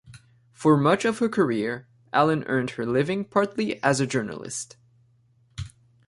For much of her career, Allen earned her living partly as a journalist.